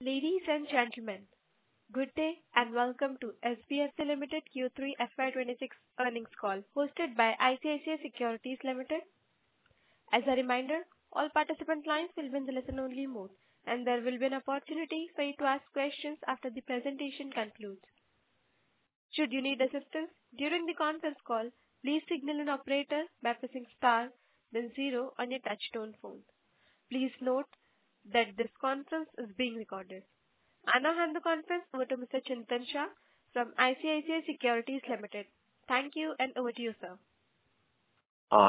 Ladies and gentlemen, good day, and welcome to SBFC Limited Q3 FY 2026 Earnings Call, hosted by ICICI Securities Limited. As a reminder, all participant lines will be in the listen-only mode, and there will be an opportunity for you to ask questions after the presentation concludes. Should you need assistance during the conference call, please signal an operator by pressing star then zero on your touchtone phone. Please note that this conference is being recorded. And now on the conference, over to Mr. Chintan Shah from ICICI Securities Limited. Thank you, and over to you, sir.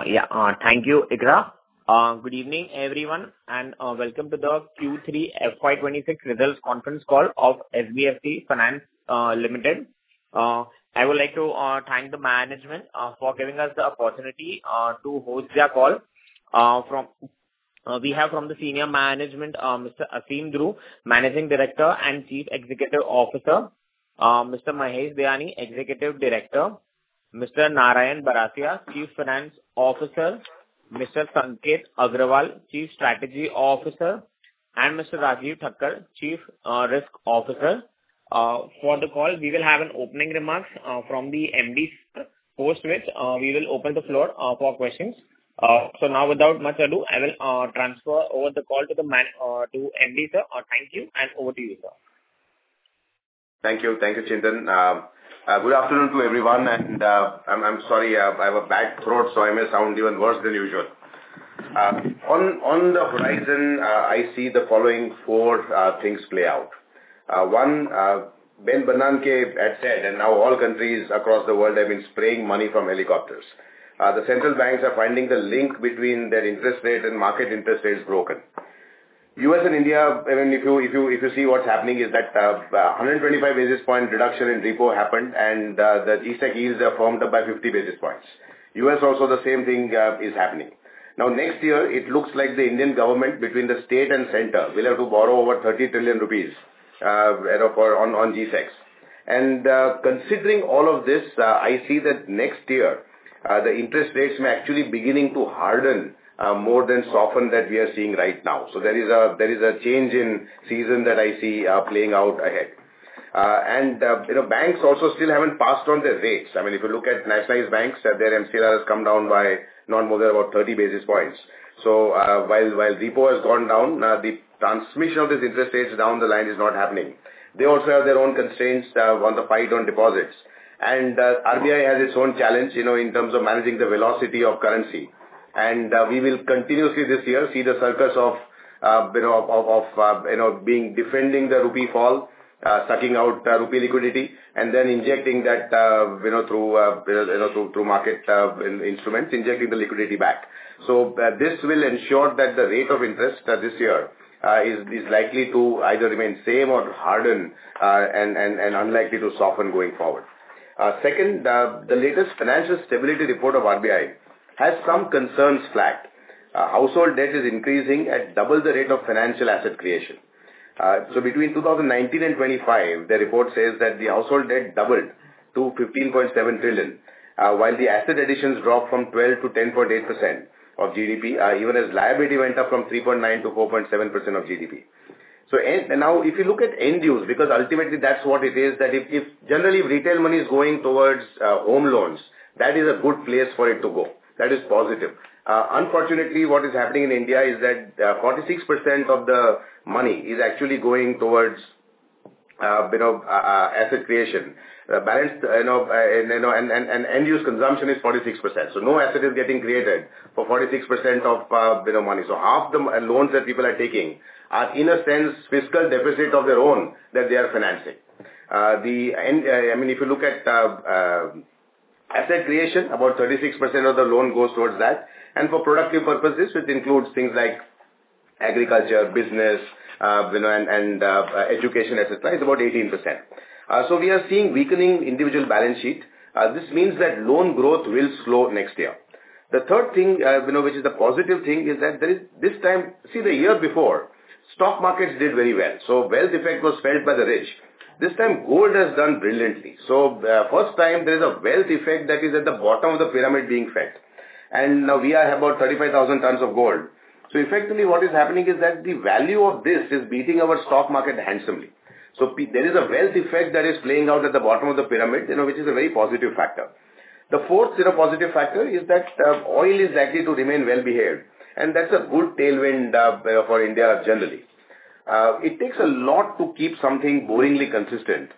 Yeah. Thank you, Iqra. Good evening, everyone, and welcome to the Q3 FY 2026 results conference call of SBFC Finance Limited. I would like to thank the management for giving us the opportunity to host their call. From the senior management, we have Mr. Aseem Dhru, Managing Director and Chief Executive Officer, Mr. Mahesh Dayani, Executive Director, Mr. Narayan Barasia, Chief Finance Officer, Mr. Sanket Agrawal, Chief Strategy Officer, and Mr. Rajiv Thakker, Chief Risk Officer. For the call, we will have an opening remarks from the MD, post which we will open the floor for questions. So now, without much ado, I will transfer over the call to the MD, sir. Thank you, and over to you, sir. Thank you. Thank you, Chintan. Good afternoon to everyone, and I'm, I'm sorry, I have a bad throat, so I may sound even worse than usual. On, on the horizon, I see the following four things play out. One, Ben Bernanke had said, and now all countries across the world have been spraying money from helicopters. The central banks are finding the link between their interest rate and market interest rates broken. U.S. and India, and then if you, if you, if you see what's happening is that, 125 basis point reduction in repo happened, and the G-Secs yields are firm up by 50 basis points. U.S. also, the same thing is happening. Now, next year, it looks like the Indian government, between the state and center, will have to borrow over 30 trillion rupees, you know, for on, on G-Secs. And, considering all of this, I see that next year, the interest rates may actually beginning to harden, more than soften that we are seeing right now. So there is a change in season that I see, playing out ahead. And, you know, banks also still haven't passed on their rates. I mean, if you look at nationalized banks, their MCLR has come down by not more than about 30 basis points. So, while repo has gone down, the transmission of these interest rates down the line is not happening. They also have their own constraints, on the fight on deposits. RBI has its own challenge, you know, in terms of managing the velocity of currency. We will continuously this year see the circus of you know, defending the rupee fall, sucking out rupee liquidity, and then injecting that you know, through you know, through the market in instruments, injecting the liquidity back. So this will ensure that the rate of interest this year is likely to either remain same or harden and unlikely to soften going forward. Second, the latest financial stability report of RBI has some concerns flagged. Household debt is increasing at double the rate of financial asset creation. So between 2019 and 2025, the report says that the household debt doubled to 15.7 trillion, while the asset additions dropped from 12% to 10.8% of GDP, even as liability went up from 3.9% to 4.7% of GDP. And now, if you look at end use, because ultimately that's what it is, that if generally retail money is going towards home loans, that is a good place for it to go. That is positive. Unfortunately, what is happening in India is that 46% of the money is actually going towards, you know, asset creation. Balance, you know, and end-use consumption is 46%. So no asset is getting created for 46% of, you know, money. So half the loans that people are taking, in a sense, fiscal deficit of their own that they are financing. I mean, if you look at asset creation, about 36% of the loan goes towards that, and for productive purposes, which includes things like agriculture, business, you know, and, and, education, et cetera, is about 18%. So we are seeing weakening individual balance sheet. This means that loan growth will slow next year. The third thing, you know, which is the positive thing, is that there is this time. See, the year before, stock markets did very well, so wealth effect was felt by the rich. This time, gold has done brilliantly. So, first time there is a wealth effect that is at the bottom of the pyramid being felt. And now we are about 35,000 tons of gold. So effectively, what is happening is that the value of this is beating our stock market handsomely. So, there is a wealth effect that is playing out at the bottom of the pyramid, you know, which is a very positive factor. The fourth, you know, positive factor is that, oil is likely to remain well-behaved, and that's a good tailwind, you know, for India generally. It takes a lot to keep something boringly consistent,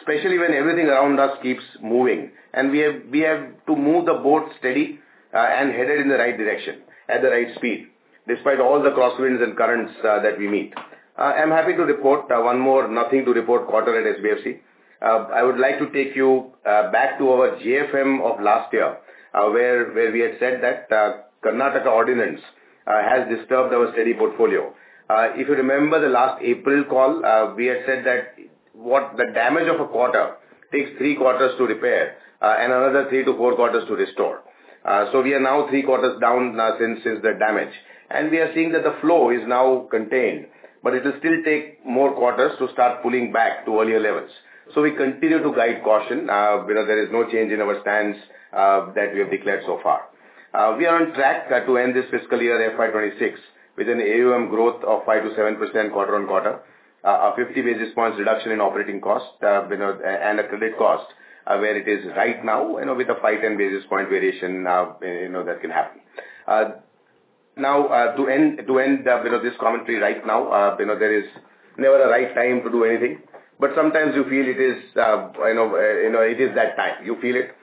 especially when everything around us keeps moving, and we have, we have to move the boat steady, and headed in the right direction, at the right speed, despite all the crosswinds and currents, that we meet. I'm happy to report, one more nothing to report quarter at SBFC. I would like to take you back to our JFM of last year, where we had said that Karnataka Ordinance has disturbed our steady portfolio. If you remember the last April call, we had said that what the damage of a quarter takes three quarters to repair, and another three to four quarters to restore. So we are now three quarters down since the damage, and we are seeing that the flow is now contained, but it will still take more quarters to start pulling back to earlier levels. So we continue to guide caution, because there is no change in our stance that we have declared so far. We are on track to end this fiscal year, FY 2026, with an AUM growth of 5%-7% quarter-on-quarter. A 50 basis points reduction in operating costs, you know, and a credit cost, where it is right now, you know, with a 5-10 basis point variation, you know, that can happen. Now, to end this commentary right now, you know, there is never a right time to do anything, but sometimes you feel it is, you know, you know, it is that time. You feel it.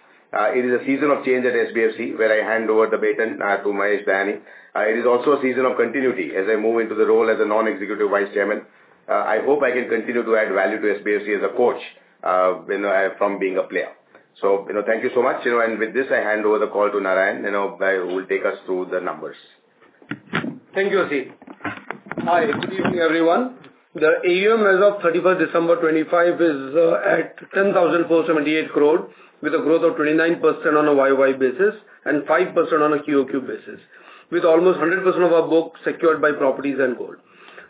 It is a season of change at SBFC, where I hand over the baton to Mahesh Dayani. It is also a season of continuity as I move into the role as a non-executive vice chairman. I hope I can continue to add value to SBFC as a coach, you know, from being a player. So, you know, thank you so much, you know, and with this, I hand over the call to Narayan, you know, who will take us through the numbers. Thank you, Aseem. Hi, good evening, everyone. The AUM as of 31 December 2025 is at 10,478 crore, with a growth of 29% on a Y-o-Y basis and 5% on a Q-o-Q basis, with almost 100% of our books secured by properties and gold.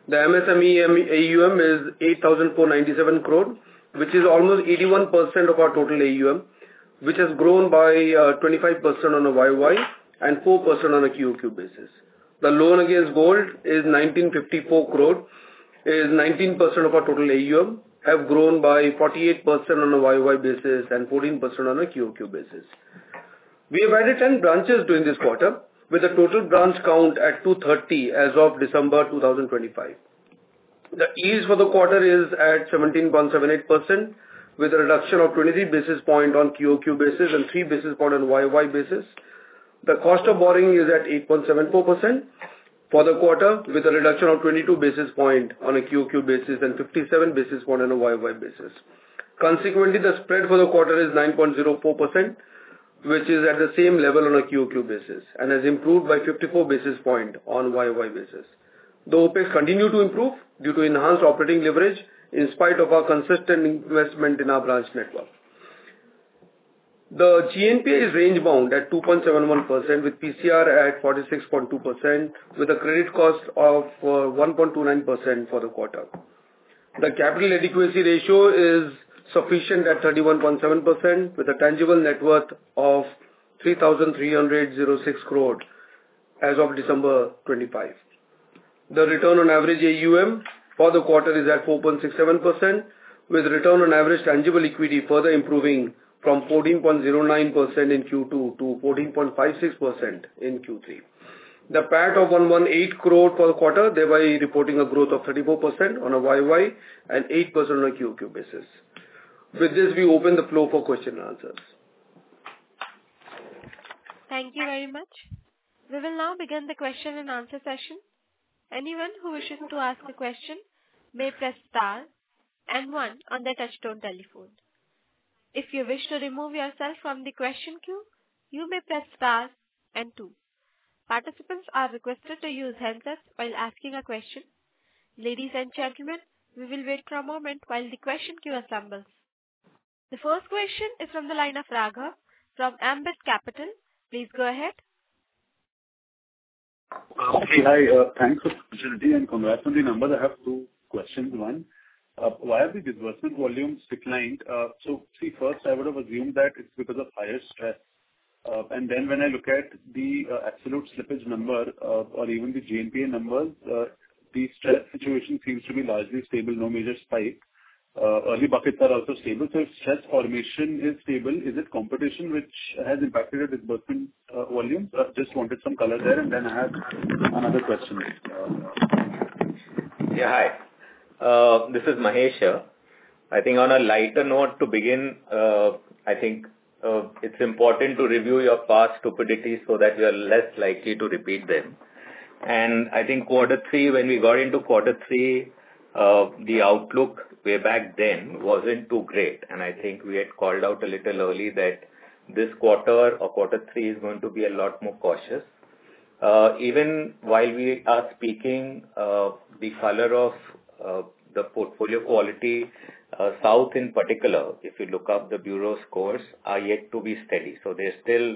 The MSME AUM is 8,497 crore, which is almost 81% of our total AUM, which has grown by 25% on a Y-o-Y and 4% on a Q-o-Q basis. The loan against gold is 1,954 crore, is 19% of our total AUM, have grown by 48% on a Y-o-Y basis and 14% on a Q-o-Q basis. We have added 10 branches during this quarter, with a total branch count at 230 as of December 2025. The yield for the quarter is at 17.78%, with a reduction of 23 basis point on Q-o-Q basis and 3 basis point on Y-o-Y basis. The cost of borrowing is at 8.74% for the quarter, with a reduction of 22 basis point on a Q-o-Q basis and 57 basis point on a Y-o-Y basis. Consequently, the spread for the quarter is 9.04%, which is at the same level on a Q-o-Q basis and has improved by 54 basis point on Y-o-Y basis. The OpEx continue to improve due to enhanced operating leverage, in spite of our consistent investment in our branch network. The GNPA is range bound at 2.71%, with PCR at 46.2%, with a credit cost of 1.29% for the quarter. The capital adequacy ratio is sufficient at 31.7%, with a tangible net worth of 3,306 crore as of December 25. The return on average AUM for the quarter is at 4.67%, with return on average tangible equity further improving from 14.09% in Q2 to 14.56% in Q3. The PAT of 118 crore per quarter, thereby reporting a growth of 34% on a Y-o-Y and 8% on a Q-o-Q basis. With this, we open the floor for question and answers. Thank you very much. We will now begin the question and answer session. Anyone who wishes to ask a question may press star and one on their touchtone telephone. If you wish to remove yourself from the question queue, you may press star and two. Participants are requested to use handsets while asking a question. Ladies and gentlemen, we will wait for a moment while the question queue assembles. The first question is from the line of Raghav from Ambit Capital. Please go ahead. Hi, thanks for the opportunity and congrats on the numbers. I have two questions. One, why have the disbursement volumes declined? So see, first, I would have assumed that it's because of higher stress. And then when I look at the absolute slippage number, or even the GNPA numbers, the stress situation seems to be largely stable, no major spike. Early buckets are also stable, so if stress formation is stable, is it competition which has impacted the disbursement volume? So I just wanted some color there, and then I have another question. Yeah, hi. This is Mahesh here. I think on a lighter note to begin, I think, it's important to review your past stupidities so that you are less likely to repeat them. And I think quarter three, when we got into quarter three, the outlook way back then wasn't too great, and I think we had called out a little early that this quarter or quarter three is going to be a lot more cautious. Even while we are speaking, the color of, the portfolio quality, South in particular, if you look up the bureau's scores, are yet to be steady. So they're still,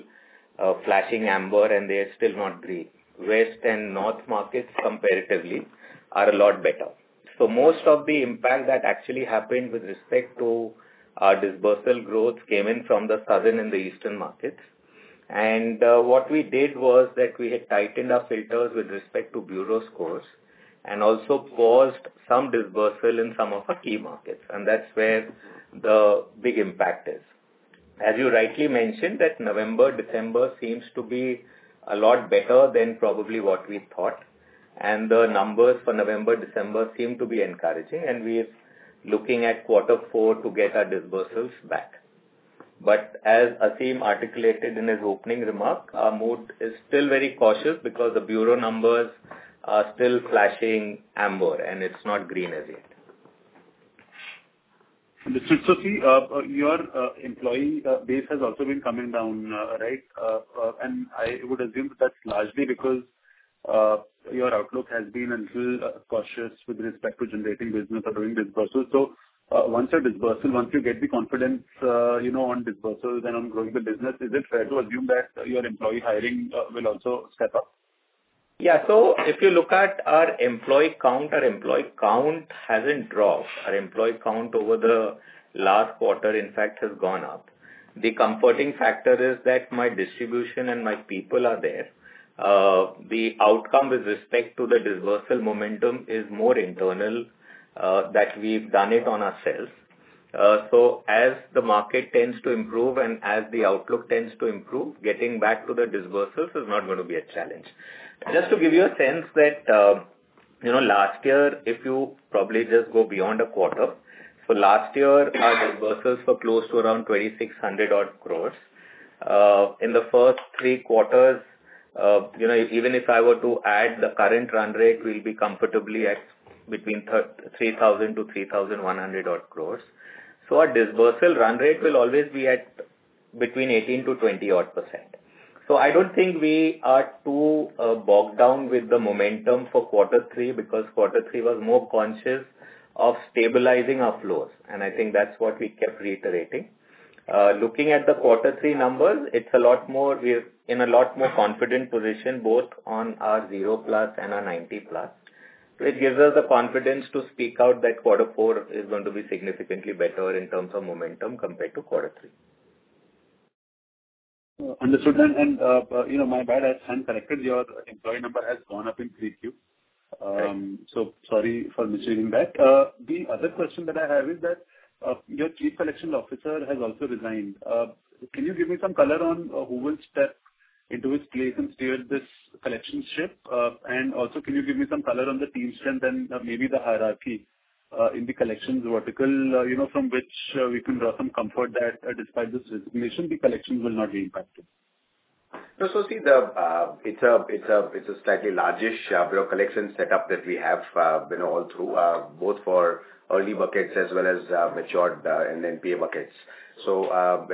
flashing amber, and they're still not green. West and North markets comparatively are a lot better. So most of the impact that actually happened with respect to our disbursal growth came in from the southern and the eastern markets. And, what we did was that we had tightened our filters with respect to bureau scores and also paused some disbursal in some of our key markets, and that's where the big impact is. As you rightly mentioned, that November, December seems to be a lot better than probably what we thought, and the numbers for November, December seem to be encouraging, and we are looking at quarter four to get our disbursals back. But as Aseem articulated in his opening remark, our mood is still very cautious because the bureau numbers are still flashing amber, and it's not green as yet. So see, your employee base has also been coming down, right? And I would assume that's largely because your outlook has been a little cautious with respect to generating business or doing disbursements. So, once you're disbursing, once you get the confidence, you know, on disbursements and on growing the business, is it fair to assume that your employee hiring will also step up? Yeah. So if you look at our employee count, our employee count hasn't dropped. Our employee count over the last quarter, in fact, has gone up. The comforting factor is that my distribution and my people are there. The outcome with respect to the disbursal momentum is more internal, that we've done it on ourselves. So as the market tends to improve and as the outlook tends to improve, getting back to the disbursements is not gonna be a challenge. Just to give you a sense that, you know, last year, if you probably just go beyond a quarter, for last year, our disbursements were close to around odd 2,600 crores. In the first three quarters, you know, even if I were to add the current run rate, we'll be comfortably at between 3,000 crores to odd 3,100 crores. So our disbursal run rate will always be at between 18%-20%-odd. So I don't think we are too, bogged down with the momentum for quarter three, because quarter three was more conscious of stabilizing our flows, and I think that's what we kept reiterating. Looking at the quarter three numbers, it's a lot more, we're in a lot more confident position, both on our 0+ and our 90+. So it gives us the confidence to speak out that quarter four is going to be significantly better in terms of momentum compared to quarter three. Understood, you know, my bad, I stand corrected. Your employee number has gone up in 3Q. So sorry for misreading that. The other question that I have is that, your Chief Collection Officer has also resigned. Can you give me some color on, who will step into his place and steer this collection ship? And also, can you give me some color on the team strength and maybe the hierarchy, in the collections vertical, you know, from which, we can draw some comfort that despite this resignation, the collections will not be impacted? So, see, it's a slightly largish bureau collection setup that we have been all through, both for early buckets as well as matured and NPA buckets. So,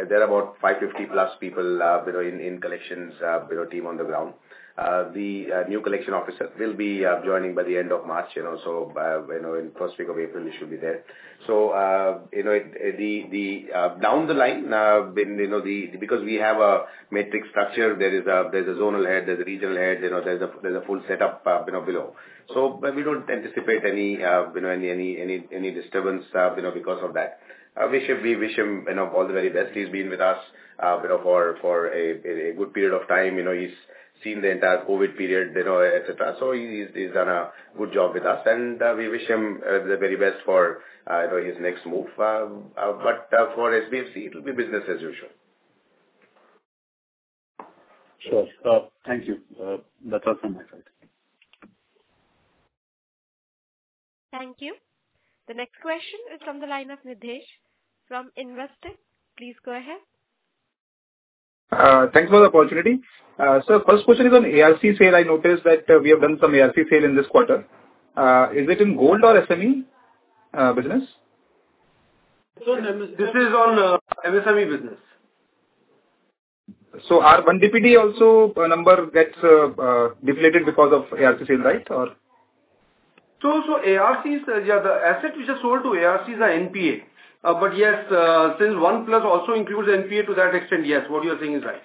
there are about 550+ people, you know, in collections bureau team on the ground. The new collection officer will be joining by the end of March, you know, so you know in first week of April, he should be there. So, you know, it's down the line, when you know the-- because we have a matrix structure, there is a zonal head, there's a regional head, you know, there's a full setup, you know, below. So, but we don't anticipate any, you know, disturbance, you know, because of that. We wish him, we wish him, you know, all the very best. He's been with us, you know, for a good period of time. You know, he's seen the entire COVID period, you know, et cetera. So he's done a good job with us, and we wish him the very best for, you know, his next move. But for SBFC, it will be business as usual. Sure. Thank you. That's all from my side. Thank you. The next question is from the line of Nidhesh from Investec. Please go ahead. Thanks for the opportunity. So first question is on ARC sale. I noticed that we have done some ARC sale in this quarter. Is it in gold or SME business? So this is on MSME business. Our 1 DPD also number gets deflated because of ARC sale, right, or? ARCs, the assets which are sold to ARCs are NPA. But yes, since one plus also includes NPA to that extent, yes, what you are saying is right.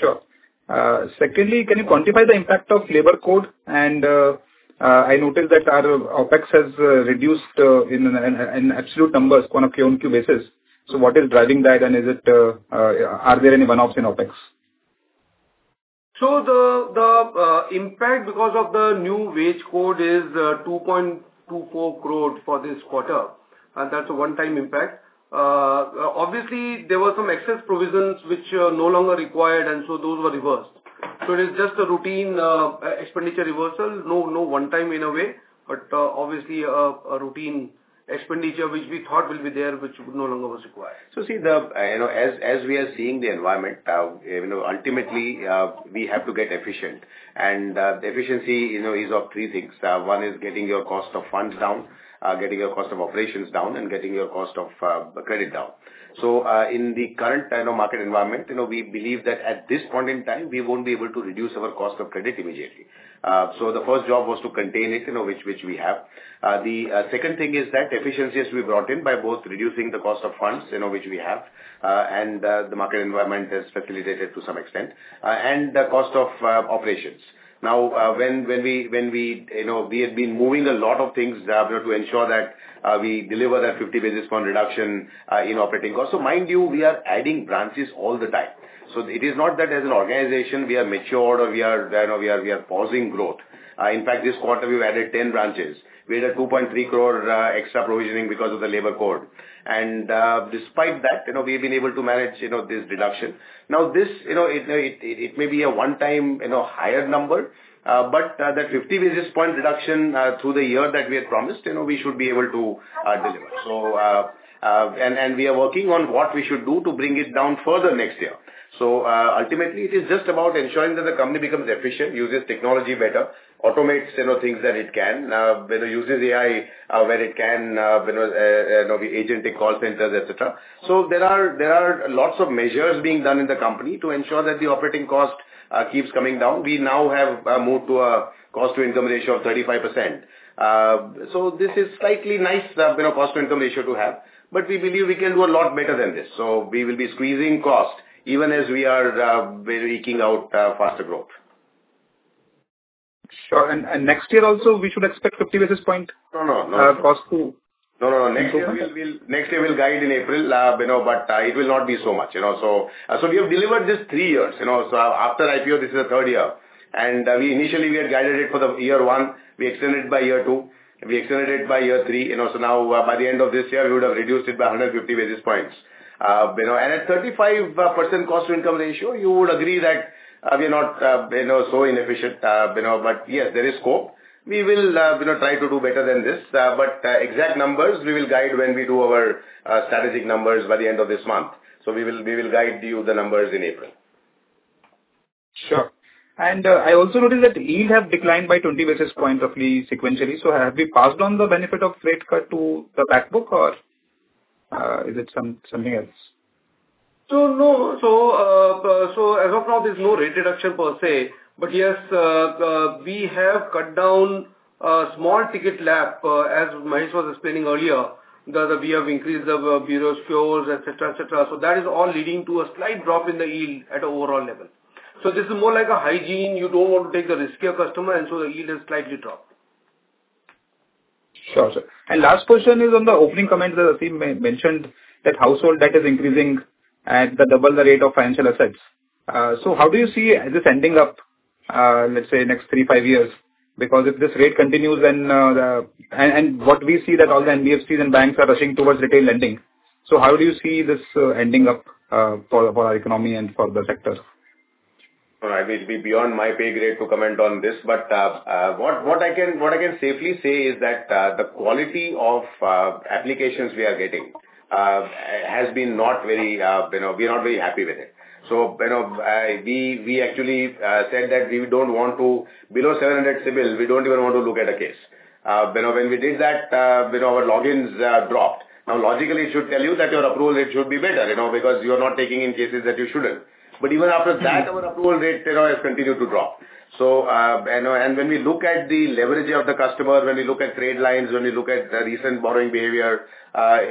Sure. Secondly, can you quantify the impact of labor code? And, I noticed that our OpEx has reduced in absolute numbers, Q-on-Q basis. So what is driving that, and are there any one-offs in OpEx? So the impact because of the new wage code is 2.24 crores for this quarter, and that's a one-time impact. Obviously, there were some excess provisions which are no longer required, and so those were reversed. So it is just a routine expenditure reversal. No, no one time in a way, but obviously a routine expenditure, which we thought will be there, which no longer was required. So, see the, you know, as we are seeing the environment, you know, ultimately, we have to get efficient. And, the efficiency, you know, is of three things. One is getting your cost of funds down, getting your cost of operations down, and getting your cost of credit down. So, in the current kind of market environment, you know, we believe that at this point in time, we won't be able to reduce our cost of credit immediately. So the first job was to contain it, you know, which we have. The second thing is that efficiencies we brought in by both reducing the cost of funds, you know, which we have, and the market environment has facilitated to some extent, and the cost of operations. Now, when we, you know, we have been moving a lot of things, you know, to ensure that, we deliver that 50 basis point reduction, in operating costs. So mind you, we are adding branches all the time. So it is not that as an organization, we are matured or we are, you know, we are pausing growth. In fact, this quarter we've added 10 branches. We had a 2.3 crore extra provisioning because of the labor code. And, despite that, you know, we've been able to manage, you know, this reduction. Now, this, you know, it may be a one-time, you know, higher number, but, that 50 basis point reduction, through the year that we had promised, you know, we should be able to deliver. So, we are working on what we should do to bring it down further next year. So, ultimately, it is just about ensuring that the company becomes efficient, uses technology better, automates, you know, things that it can, whether uses AI, where it can, you know, you know, be agent in call centers, et cetera. So there are lots of measures being done in the company to ensure that the operating cost keeps coming down. We now have moved to a cost-to-income ratio of 35%. So this is slightly nice, you know, cost-to-income ratio to have, but we believe we can do a lot better than this. So we will be squeezing cost, even as we are, we're eking out, faster growth. Sure. And next year also, we should expect 50 basis point cost to-- No, no, next year we'll-- Next year, we'll guide in April, you know, but, it will not be so much, you know, so, so we have delivered this three years, you know, so after IPO, this is the third year. And, we initially had guided it for the year one, we extended it by year two, we extended it by year three, you know, so now by the end of this year, we would have reduced it by 150 basis points. You know, and at 35% cost-to-income ratio, you would agree that, we are not, you know, so inefficient, you know, but yes, there is scope. We will, you know, try to do better than this, but exact numbers, we will guide when we do our strategic numbers by the end of this month. So we will, we will guide you the numbers in April. Sure. I also noticed that yield have declined by 20 basis points roughly sequentially, so have we passed on the benefit of rate cut to the back book or is it something else? So, no. As of now, there's no rate reduction per se, but yes, we have cut down small-ticket LAP, as Mahesh was explaining earlier, that we have increased the bureau scores, et cetera, et cetera. So that is all leading to a slight drop in the yield at an overall level. So this is more like a hygiene. You don't want to take the riskier customer, and so the yield has slightly dropped. Sure, sir. And last question is on the opening comments that Aseem mentioned, that household debt is increasing at double the rate of financial assets. So how do you see this ending up, let's say, next three, five years? Because if this rate continues, and what we see that all the NBFCs and banks are rushing towards retail lending. So how do you see this ending up for our economy and for the sector? All right. It'd be beyond my pay grade to comment on this, but what I can safely say is that the quality of applications we are getting has been not very, you know, we are not very happy with it. So, you know, we actually said that we don't want to, below 700 CIBIL, we don't even want to look at a case. You know, when we did that, you know, our logins dropped. Now, logically, it should tell you that your approval rate should be better, you know, because you are not taking in cases that you shouldn't. But even after that. Our approval rate, you know, has continued to drop. So, you know, and when we look at the leverage of the customer, when we look at trade lines, when we look at the recent borrowing behavior,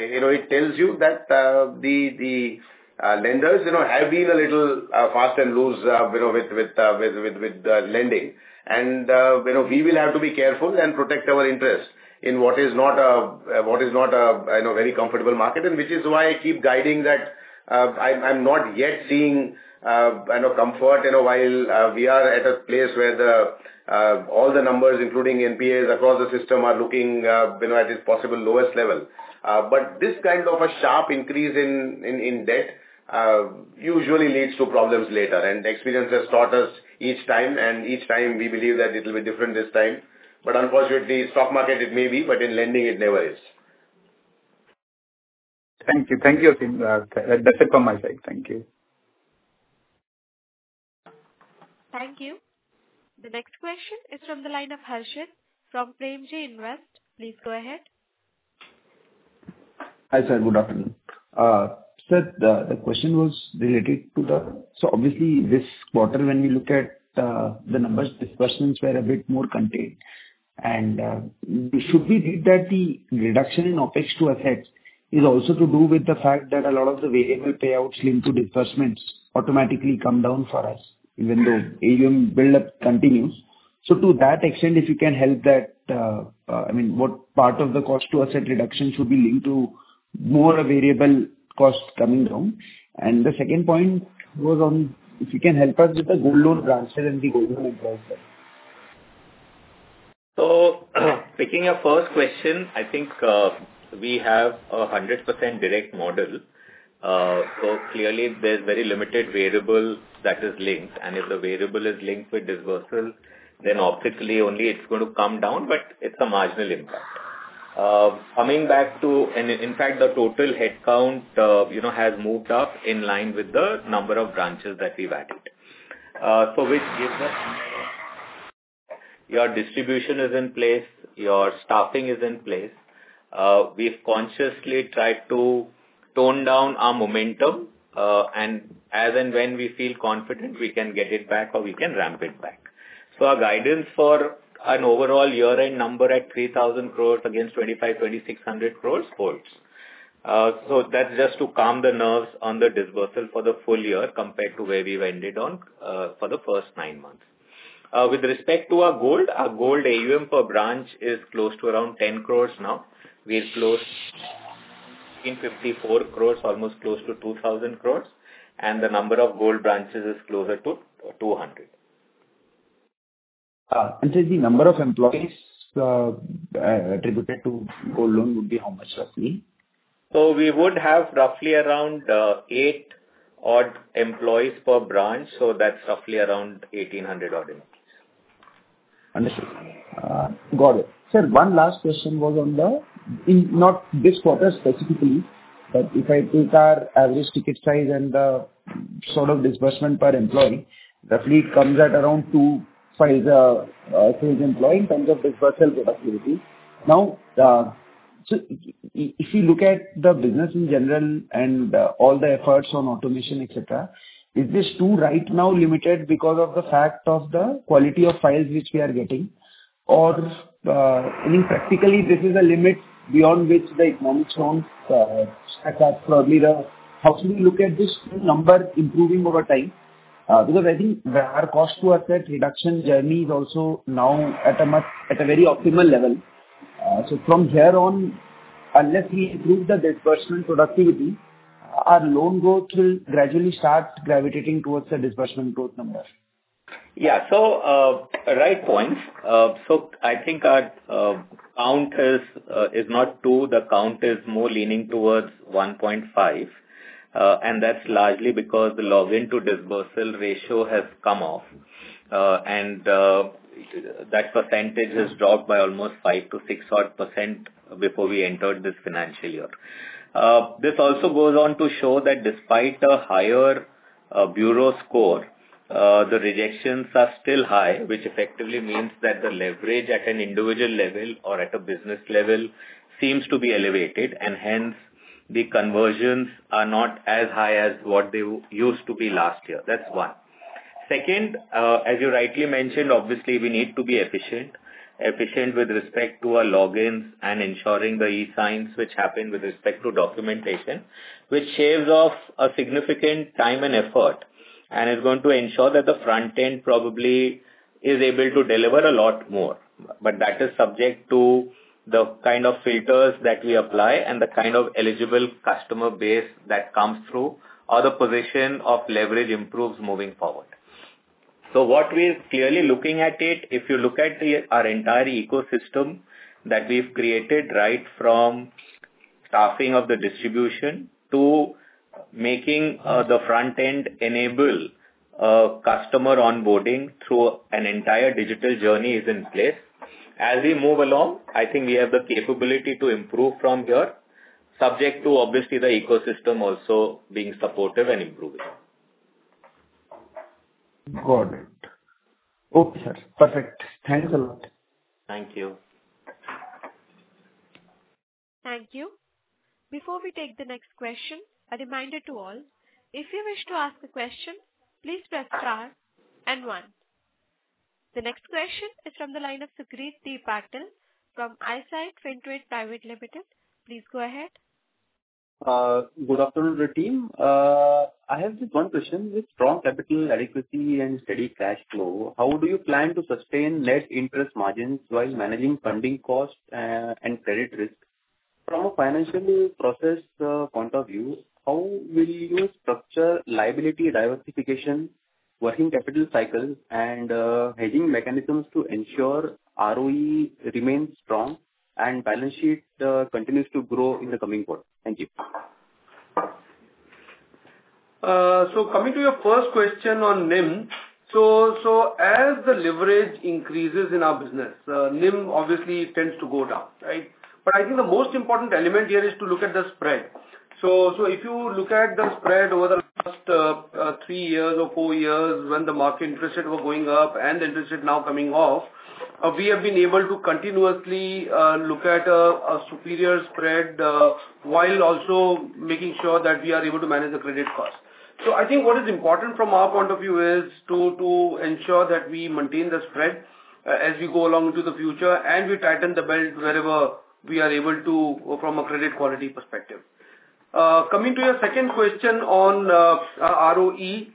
you know, it tells you that the lenders, you know, have been a little fast and loose, you know, with lending. And, you know, we will have to be careful and protect our interest in what is not a you know, very comfortable market. And which is why I keep guiding that, I'm not yet seeing, you know, comfort, you know, while we are at a place where all the numbers, including NPAs across the system, are looking, you know, at its possible lowest level. But this kind of a sharp increase in debt usually leads to problems later. And experience has taught us each time, and each time we believe that it will be different this time. But unfortunately, stock market, it may be, but in lending it never is. Thank you. Thank you, Aseem. That's it from my side. Thank you. Thank you. The next question is from the line of Harshad from Premji Invest. Please go ahead. Hi, sir. Good afternoon. Sir, the question was related to the--so obviously this quarter, when we look at the numbers, disbursements were a bit more contained. And should we read that the reduction in OpEx to asset is also to do with the fact that a lot of the variable payouts linked to disbursements automatically come down for us, even though AUM buildup continues? So to that extent, if you can help that, I mean, what part of the cost to asset reduction should be linked to more variable costs coming down? And the second point was on if you can help us with the gold loan branches and the gold loan branches. So, picking up first question, I think, we have 100% direct model. So clearly there's very limited variable that is linked, and if the variable is linked with disbursal, then optically only it's going to come down, but it's a marginal impact. Coming back to--and in fact, the total headcount, you know, has moved up in line with the number of branches that we've added. So which gives us, your distribution is in place, your staffing is in place. We've consciously tried to tone down our momentum, and as and when we feel confident, we can get it back or we can ramp it back. So our guidance for an overall year-end number at 3,000 crore against 2,500 crore-2,600 crore holds. So that's just to calm the nerves on the disbursal for the full year compared to where we've ended on for the first nine months. With respect to our gold, our gold AUM per branch is close to around 10 crore now. We're close in 54 crore, almost close to 2,000 crore, and the number of gold branches is closer to 200 crore. The number of employees attributed to Gold Loan would be how much, roughly? So we would have roughly around odd eight employees per branch, so that's roughly around 1800 odd employees. Understood. Got it. Sir, one last question was on the-- in, not this quarter specifically, but if I take our average ticket size and the sort of disbursement per employee, roughly it comes at around 2x5 per employee in terms of disbursal productivity. Now, so if you look at the business in general and all the efforts on automation, et cetera, is this too right now limited because of the fact of the quality of files which we are getting? Or, I mean, practically, this is a limit beyond which the economics won't stack up properly the--how can we look at this number improving over time? Because I think our cost to asset reduction journey is also now at a very optimal level. So from here on, unless we improve the disbursement productivity, our loan growth will gradually start gravitating towards the disbursement growth numbers. Yeah. So, right point. So I think our count is not two, the count is more leaning towards 1.5x. And that's largely because the login to disbursal ratio has come off, and that percentage has dropped by almost 5%-6%-odd before we entered this financial year. This also goes on to show that despite a higher bureau score, the rejections are still high, which effectively means that the leverage at an individual level or at a business level seems to be elevated, and hence, the conversions are not as high as what they used to be last year. That's one. Second, as you rightly mentioned, obviously, we need to be efficient. Efficient with respect to our logins and ensuring the e-signs which happen with respect to documentation, which shaves off a significant time and effort, and is going to ensure that the front end probably is able to deliver a lot more. But that is subject to the kind of filters that we apply and the kind of eligible customer base that comes through, or the position of leverage improves moving forward. So what we're clearly looking at it, if you look at the, our entire ecosystem that we've created, right from staffing of the distribution to making, the front end enable, customer onboarding through an entire digital journey is in place. As we move along, I think we have the capability to improve from here, subject to obviously the ecosystem also being supportive and improving. Got it. Okay, sir. Perfect. Thanks a lot. Thank you. Thank you. Before we take the next question, a reminder to all, if you wish to ask a question, please press star and one. The next question is from the line of Sucrit D. Patil from Eyesight Fintrade Private Limited. Please go ahead. Good afternoon, team. I have just one question, with strong capital adequacy and steady cash flow, how do you plan to sustain net interest margins while managing funding costs, and credit risk? From a financial process, point of view, how will you structure liability diversification, working capital cycle, and, hedging mechanisms to ensure ROE remains strong and balance sheet, continues to grow in the coming quarter? Thank you. So, coming to your first question on NIM. So, as the leverage increases in our business, NIM obviously tends to go down, right? But I think the most important element here is to look at the spread. So, if you look at the spread over the last three years or four years, when the market interest rates were going up and the interest rate now coming off, we have been able to continuously look at a superior spread while also making sure that we are able to manage the credit cost. So I think what is important from our point of view is to ensure that we maintain the spread as we go along into the future, and we tighten the belt wherever we are able to, from a credit quality perspective. Coming to your second question on ROE.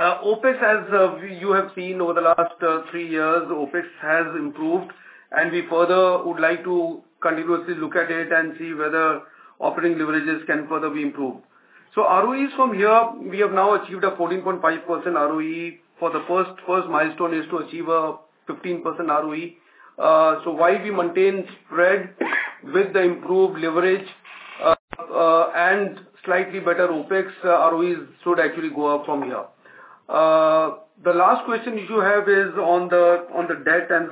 OpEx, as you have seen over the last three years, OpEx has improved, and we further would like to continuously look at it and see whether operating leverages can further be improved. So ROEs from here, we have now achieved a 14.5% ROE. For the first milestone is to achieve a 15% ROE. So while we maintain spread with the improved leverage, and slightly better OpEx, ROEs should actually go up from here. The last question you have is on the debt and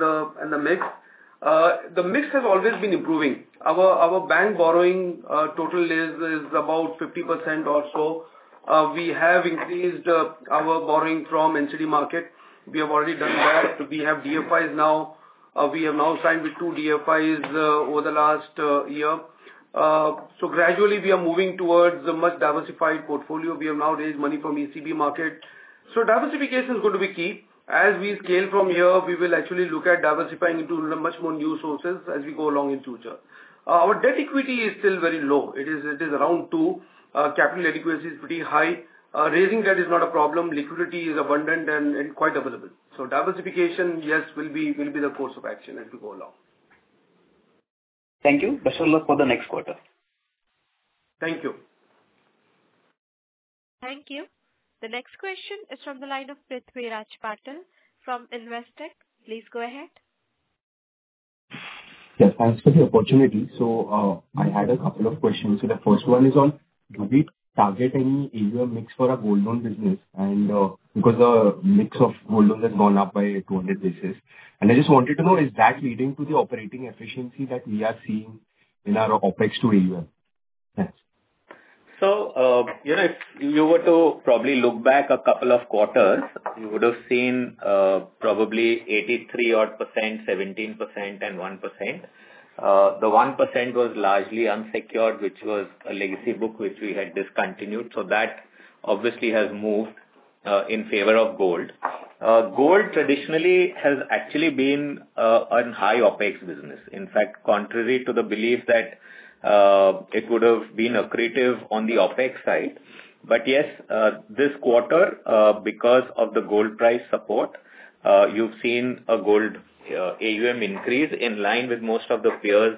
the mix. The mix has always been improving. Our bank borrowing total is about 50% or so. We have increased our borrowing from NCD market. We have already done that. We have DFIs now. We have now signed with two DFIs, over the last, year. So gradually we are moving towards a much diversified portfolio. We have now raised money from ECB market. So diversification is going to be key. As we scale from here, we will actually look at diversifying into much more new sources as we go along in future. Our debt equity is still very low. It is, it is around 2x. Capital adequacy is pretty high. Raising debt is not a problem. Liquidity is abundant and, and quite available. So diversification, yes, will be, will be the course of action as we go along. Thank you. Best of luck for the next quarter. Thank you. Thank you. The next question is from the line of Prithviraj Patil from Investec. Please go ahead. Yes, thanks for the opportunity. So, I had a couple of questions. So the first one is on, do we target any AUM mix for our gold loan business? And, because the mix of gold loans has gone up by 200 basis. And I just wanted to know, is that leading to the operating efficiency that we are seeing in our OpEx to AUM? Thanks. So, you know, if you were to probably look back a couple of quarters, you would have seen, probably 83%-odd, 17%, and 1%. The 1% was largely unsecured, which was a legacy book, which we had discontinued, so that obviously has moved, in favor of gold. Gold traditionally has actually been, a high OpEx business. In fact, contrary to the belief that, it would have been accretive on the OpEx side. But yes, this quarter, because of the gold price support, you've seen a gold, AUM increase in line with most of the peers,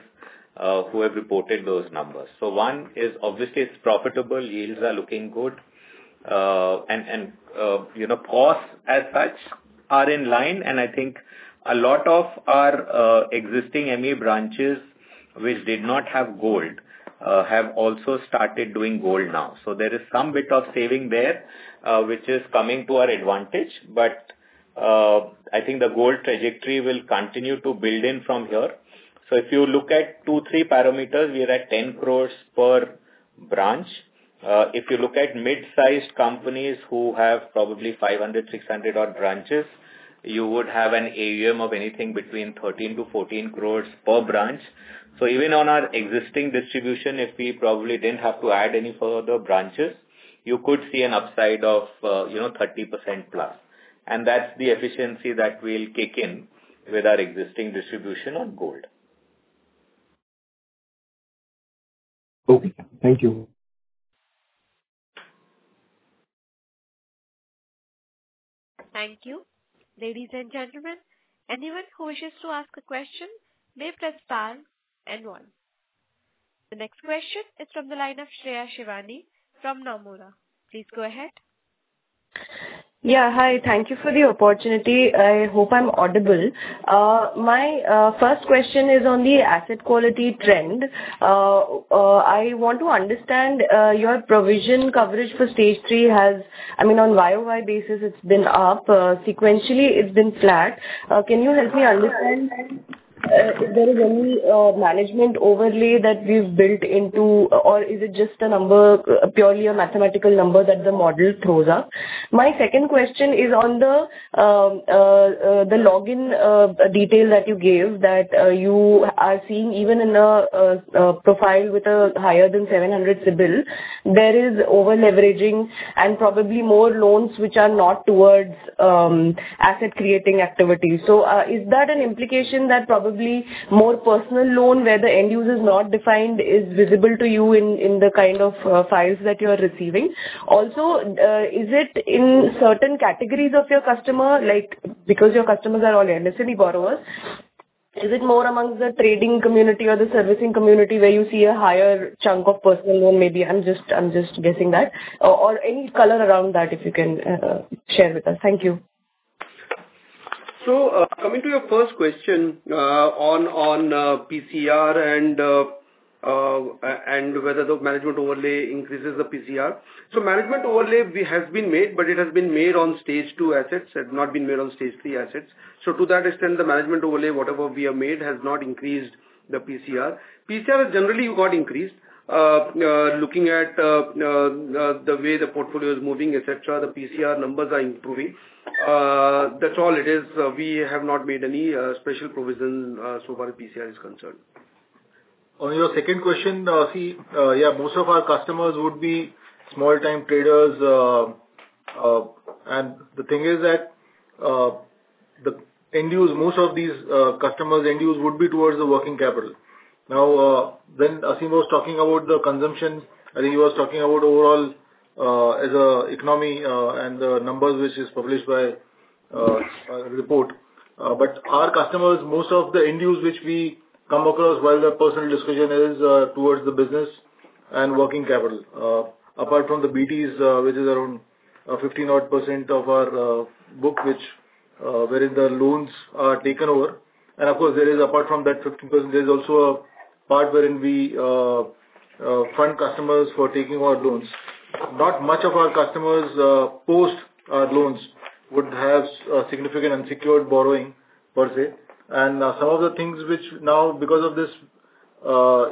who have reported those numbers. So one is, obviously, it's profitable, yields are looking good. You know, costs as such are in line, and I think a lot of our existing MA branches which did not have gold have also started doing gold now. So there is some bit of saving there, which is coming to our advantage. But I think the gold trajectory will continue to build in from here. So if you look at two-three parameters, we are at 10 crore per branch. If you look at mid-sized companies who have probably 500-600 odd branches, you would have an AUM of anything between 13 crore-14 crore per branch. So even on our existing distribution, if we probably didn't have to add any further branches, you could see an upside of, you know, +30%. That's the efficiency that will kick in with our existing distribution on gold. Okay. Thank you. Thank you. Ladies and gentlemen, anyone who wishes to ask a question, may press star and one. The next question is from the line of Shreya Shivani from Nomura. Please go ahead. Yeah, hi. Thank you for the opportunity. I hope I'm audible. My first question is on the asset quality trend. I want to understand, your provision coverage for stage 3 has--I mean, on Y-o-Y basis, it's been up, sequentially, it's been flat. Can you help me understand, if there is any management overlay that we've built into, or is it just a number, purely a mathematical number that the model throws up? My second question is on the lending detail that you gave, that you are seeing even in a profile with a higher than 700 CIBIL, there is over-leveraging and probably more loans which are not towards, asset-creating activity. So, is that an implication that probably more personal loan, where the end user is not defined, is visible to you in, in the kind of files that you are receiving? Also, is it in certain categories of your customer? Like, because your customers are all MNC borrowers, is it more amongst the trading community or the servicing community, where you see a higher chunk of personal loan maybe? I'm just, I'm just guessing that. Or, any color around that, if you can share with us. Thank you. So, coming to your first question, on PCR and whether the management overlay increases the PCR. So management overlay has been made, but it has been made on stage two assets, it has not been made on stage three assets. So to that extent, the management overlay, whatever we have made, has not increased the PCR. PCR has generally got increased. Looking at the way the portfolio is moving, et cetera, the PCR numbers are improving. That's all it is. We have not made any special provision, so far as PCR is concerned. On your second question, see, yeah, most of our customers would be small-time traders. And the thing is that, the end users, most of these customers' end users would be towards the working capital. Now, when Aseem was talking about the consumption, I think he was talking about overall, as an economy, and the numbers which is published by, a report. But our customers, most of the end users which we come across, while the personal discretion is, towards the business and working capital. Apart from the BTs, which is around, 15%-odd of our, book, which, wherein the loans are taken over. And of course, there is apart from that fifteen percent, there is also a part wherein we, fund customers for taking more loans. Not much of our customers, post our loans, would have, significant unsecured borrowing per se. Some of the things which now, because of this,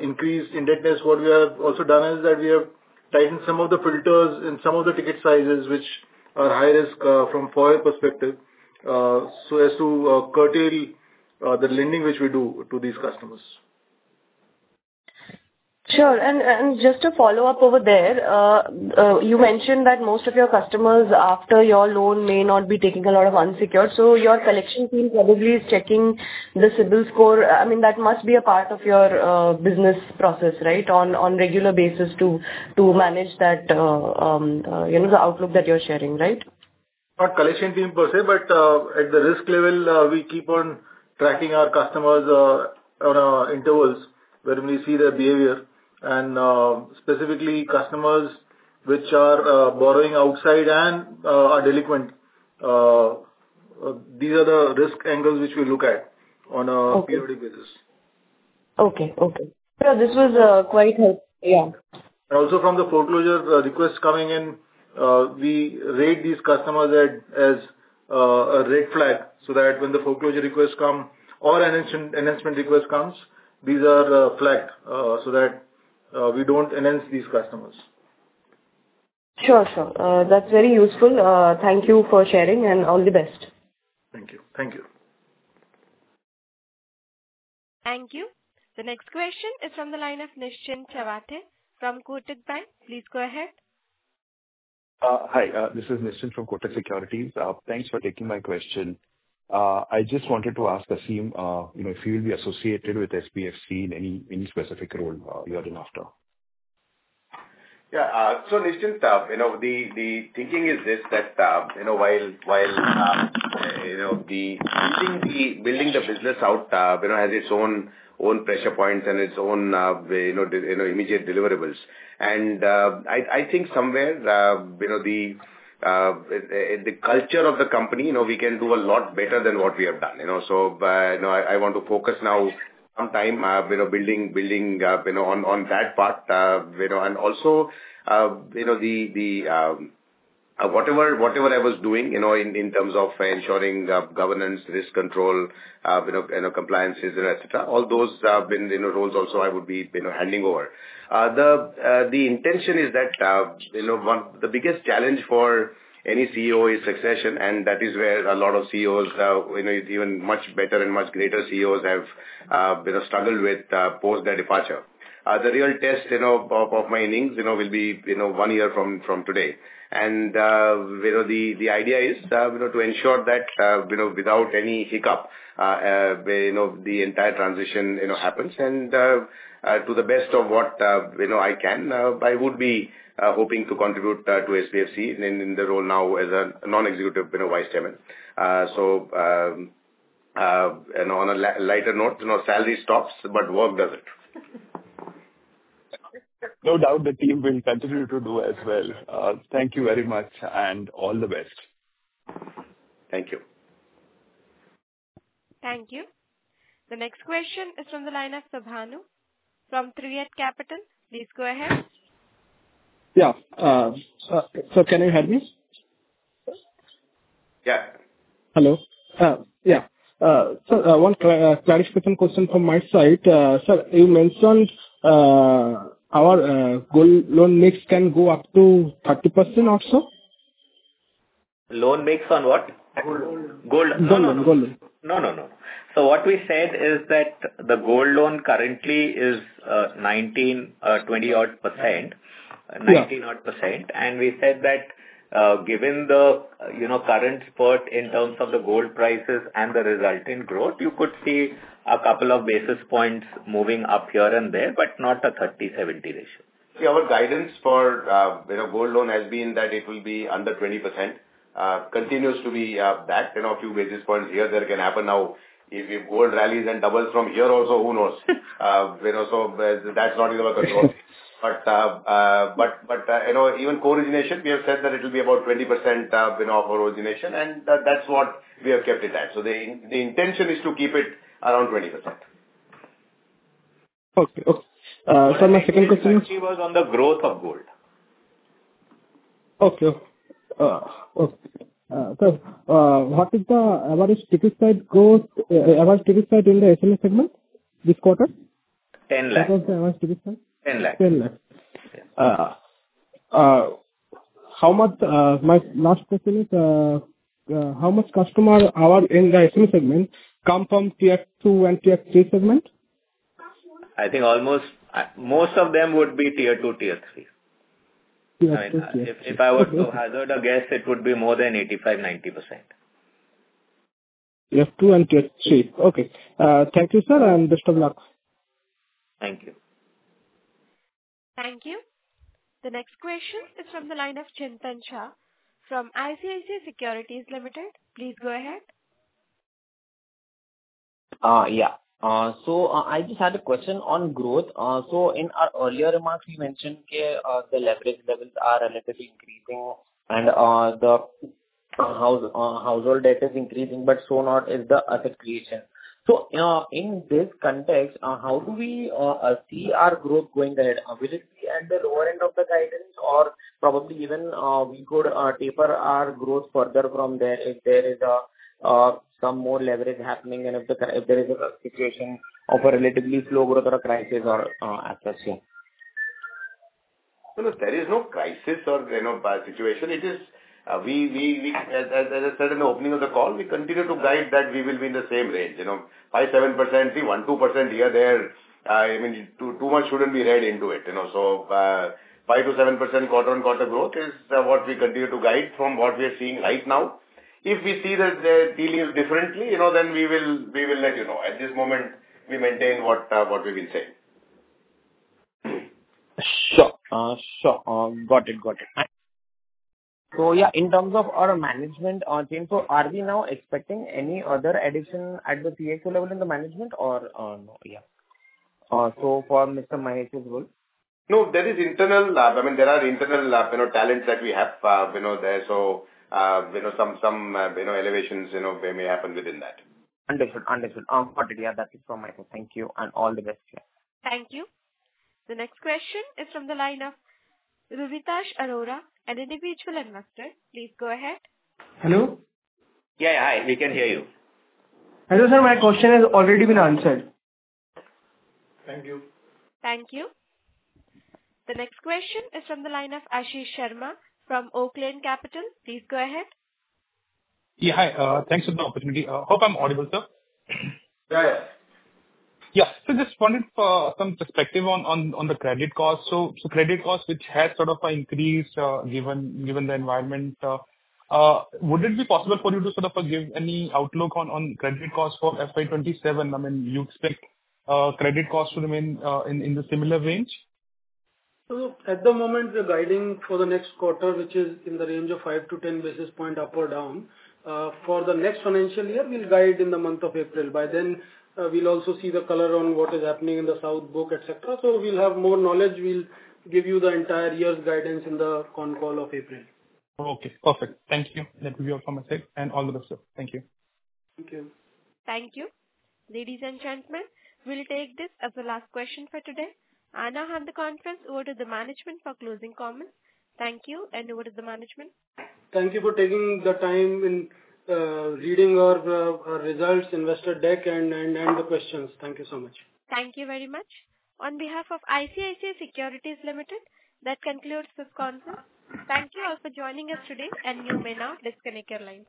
increased indebtedness, what we have also done is that we have tightened some of the filters and some of the ticket sizes, which are high risk, from FOIR perspective, so as to curtail the lending which we do to these customers. Sure. And just to follow up over there, you mentioned that most of your customers, after your loan may not be taking a lot of unsecured. So your collection team probably is checking the CIBIL score. I mean, that must be a part of your business process, right? On regular basis to manage that, you know, the outlook that you're sharing, right? Not collection team per se, but, at the risk level, we keep on tracking our customers, on intervals, wherein we see their behavior. And, specifically customers which are, borrowing outside and, are delinquent. These are the risk angles which we look at on a period basis. Okay, okay. This was quite helpful. Yeah. And also from the foreclosure requests coming in, we rate these customers as a red flag, so that when the foreclosure requests come or enhancement request comes, these are flagged, so that we don't enhance these customers. Sure, sir. That's very useful. Thank you for sharing, and all the best. Thank you. Thank you. Thank you. The next question is from the line of Nischint Chawathe from Kotak Securities. Please go ahead. Hi, this is Nischint from Kotak Securities. Thanks for taking my question. I just wanted to ask Aseem, you know, if you will be associated with SBFC in any, any specific role, year and after? Yeah. So Nischint, you know, the thinking is this, that, you know, while, you know, building the business out, you know, has its own pressure points and its own, you know, immediate deliverables. And, I think somewhere, you know, the culture of the company, you know, we can do a lot better than what we have done, you know? So, you know, I want to focus now some time, you know, building on that part. You know, and also, you know, the whatever I was doing, you know, in terms of ensuring the governance, risk control, you know, compliances and et cetera, all those, you know, roles also, I would be, you know, handing over. The intention is that, you know, one, the biggest challenge for any CEO is succession, and that is where a lot of CEOs, you know, even much better and much greater CEOs have, you know, struggled with, post their departure. The real test, you know, of my innings, you know, will be, you know, one year from today. And, you know, the idea is, you know, to ensure that, you know, without any hiccup, you know, the entire transition, you know, happens. To the best of what, you know, I can, I would be hoping to contribute to SBFC in the role now as a non-executive, you know, vice chairman. And on a lighter note, you know, salary stops, but work doesn't. No doubt the team will continue to do as well. Thank you very much, and all the best. Thank you. Thank you. The next question is from the line of Subhanu from Trivet Capital. Please go ahead. Yeah, sir, can you hear me? Yeah. Hello? Yeah. So, one clarification question from my side. Sir, you mentioned our gold loan mix can go up to 30% also? Loan mix on what? Gold. Gold. Gold Loan. No, no, no. So what we said is that the Gold Loan currently is 19%-20%-odd. 19%-odd. We said that, given the, you know, current spurt in terms of the gold prices and the resulting growth, you could see a couple of basis points moving up here and there, but not a 30/70 ratio. See, our guidance for, you know, gold loan has been that it will be under 20%, continues to be, that. You know, a few basis points here, there, can happen. Now, if, if gold rallies and doubles from here also, who knows? You know, so, that's not in our control. But you know, even co-origination, we have said that it will be about 20%, you know, for origination, and that's what we have kept it at. So the intention is to keep it around 20%. Okay. Sir, my second question-- He was on the growth of gold. Okay. So, what is the average ticket size growth, average ticket size in the SME segment this quarter? 10 lakh. What was the average ticket size? 10 lakh. 10 lakh. My last question is, how much customer are in the SME segment come from Tier 2 and Tier 3 segment? I think almost, most of them would be Tier 2, Tier 3. Tier 2, Tier 3. If I were to hazard a guess, it would be more than 85%-90%. Tier 2 and Tier 3. Okay, thank you, sir, and best of luck. Thank you. Thank you. The next question is from the line of Chintan Shah, from ICICI Securities Limited. Please go ahead. Yeah. So, I just had a question on growth. So in our earlier remarks, you mentioned the leverage levels are relatively increasing and the household debt is increasing, but so not is the asset creation. So, in this context, how do we see our growth going ahead? Will it be at the lower end of the guidance or probably even we could taper our growth further from there if there is some more leverage happening and if there is a situation of a relatively slow growth or a crisis or as such, yeah? So look, there is no crisis or, you know, situation. It is, as I said in the opening of the call, we continue to guide that we will be in the same range, you know, 5%-7%, say 1%-2% here or there, I mean, too much shouldn't be read into it, you know. So, 5%-7% quarter-on-quarter growth is, what we continue to guide from what we are seeing right now. If we see that the deal is differently, you know, then we will let you know. At this moment, we maintain what we've been saying. Sure, sure. Got it. Thank you. So yeah, in terms of our management team, so are we now expecting any other addition at the CXO level in the management or no? Yeah. So for Mr. Mahesh's role. No, there is internal, I mean, there are internal, you know, talents that we have, you know, there. So, you know, some elevations, you know, may happen within that. Understood. Got it. Yeah, that is from my end. Thank you, and all the best to you. Thank you. The next question is from the line of Vivitash Arora, an individual investor. Please go ahead. Hello? Yeah, hi, we can hear you. Hello, sir. My question has already been answered. Thank you. Thank you. The next question is from the line of Ashish Sharma from Oaklane Capital. Please go ahead. Yeah, hi. Thanks for the opportunity. Hope I'm audible, sir. Yeah. Yeah. So just wanted some perspective on the credit cost. So credit cost, which has sort of increased given the environment, would it be possible for you to sort of give any outlook on credit costs for FY 2027? I mean, you'd expect credit costs to remain in the similar range? So look, at the moment, we're guiding for the next quarter, which is in the range of 5-10 basis point up or down. For the next financial year, we'll guide in the month of April. By then, we'll also see the color on what is happening in the South Book, et cetera. So we'll have more knowledge, we'll give you the entire year's guidance in the con call of April. Okay, perfect. Thank you. That will be all from my side, and all the best, sir. Thank you. Thank you. Thank you. Ladies and gentlemen, we'll take this as the last question for today. I now hand the conference over to the management for closing comments. Thank you, and over to the management. Thank you for taking the time in reading our results, investor deck and the questions. Thank you so much. Thank you very much. On behalf of ICICI Securities Limited, that concludes this conference. Thank you all for joining us today, and you may now disconnect your line.